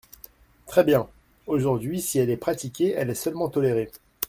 Très bien ! Aujourd’hui, si elle est pratiquée, elle est seulement tolérée.